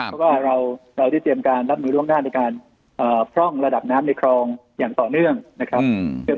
เพราะว่าเราได้เตรียมการรับมือล่วงหน้าในการพร่องระดับน้ำในคลองอย่างต่อเนื่องนะครับ